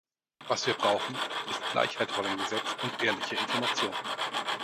Was wir brauchen, ist Gleichheit vor dem Gesetz und ehrliche Information.